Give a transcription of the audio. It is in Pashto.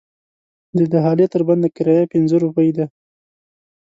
د دهالې تر بنده کرایه پنځه روپۍ ده.